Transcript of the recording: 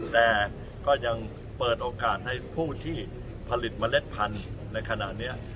แต่ก็ยังเปิดโอกาสให้ผู้ที่ผลิตเมล็ดพันธุ์ในขณะนี้